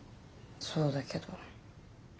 そうだけど。